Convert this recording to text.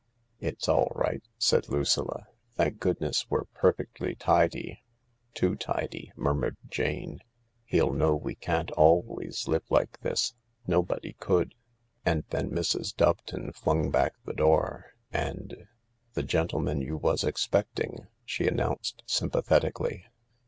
"It's all right," said Lucilla. "Thank goodness we're perfectly tidy 1 " "Too tidy," murmured Jane. "He'll know we can't always live like this. Nobody could." And then Mrs. Doveton flung back the door. And : "The gentleman you was expecting," she announced sympathetically.